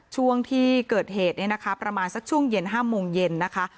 ช่วงที่เกิดเหตุเนี่ยนะคะประมาณสักช่วงเย็น๕โมงเย็นนะคะ